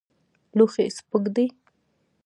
لوښی سپک دی.